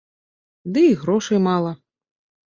Ды і грошай мала.